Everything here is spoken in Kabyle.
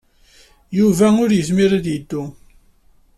Yuba ur yezmir ad yeddu.